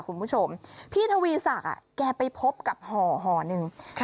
คุณผู้ชมพี่ทวีศักดิ์แกไปพบกับห่อหนึ่ง